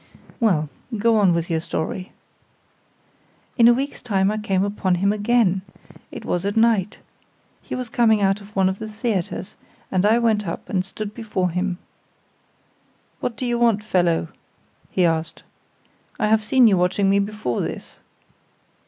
"Well, go on with your story." "In a week's time I came upon him again. It was at night. He was coming out of one of the theatres, and I went up and stood before him." "'What do you want, fellow?' he asked. 'I have seen you watching me before this.